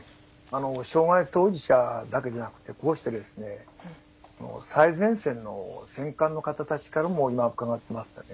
障害当事者だけじゃなくてこうして最前線の選管の方たちからも今伺っていますからね。